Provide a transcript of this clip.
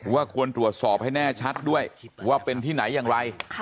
ควรตรวจสอบให้แน่ชัดด้วยว่าเป็นที่ไหนอย่างไร